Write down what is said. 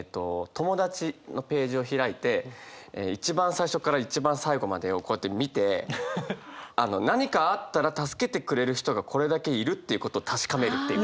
友達のページを開いて一番最初から一番最後までをこうやって見て何かあったら助けてくれる人がこれだけいるっていうことを確かめるっていう。